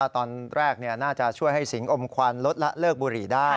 ตอนแรกน่าจะช่วยให้สิงอมควันลดละเลิกบุหรี่ได้